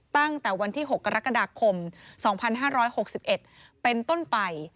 ตั้งแต่วันที่๖กรกฎาคม๒๕๖๑เป็นต้นไป